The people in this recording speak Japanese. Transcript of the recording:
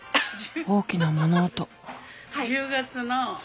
大きな物音。